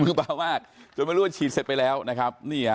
คือเบามากจนไม่รู้ว่าฉีดเสร็จไปแล้วนะครับ